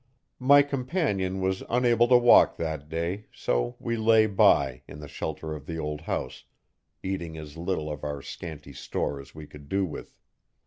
My companion was unable to walk that day so we lay by, in the shelter of the old house, eating as little of our scanty store as we could do with.